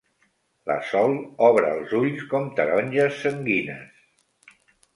La Sol obre els ulls com taronges sanguines.